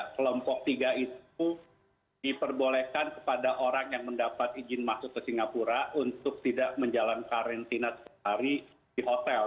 kelompok tiga itu diperbolehkan kepada orang yang mendapat izin masuk ke singapura untuk tidak menjalani karantina sehari di hotel